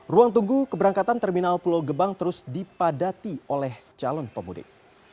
ruang tunggu keberangkatan terminal pulau gebang terus dipadati oleh calon pemudik